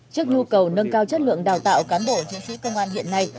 trước nhu cầu nâng cao chất lượng đào tạo cán bộ chiến sĩ công an hiện nay